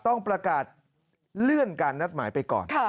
ต้องประกาศเลื่อนการนัดหมายไปก่อน